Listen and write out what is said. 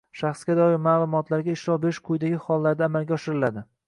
Shaxsga doir ma’lumotlarga ishlov berish quyidagi hollarda amalga oshiriladi: